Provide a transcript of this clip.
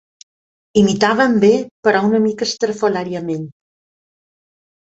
Imitaven bé, però una mica estrafolàriament.